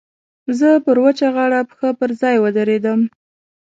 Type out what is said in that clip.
زه پر وچه غاړه پښه پر ځای ودرېدم.